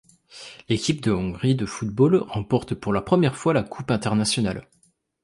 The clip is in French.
L'équipe de Hongrie de football remporte pour la première fois la Coupe internationale.